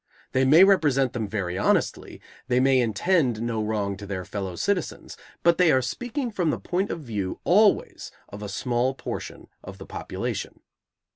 They may represent them very honestly, they may intend no wrong to their fellow citizens, but they are speaking from the point of view always of a small portion of the population.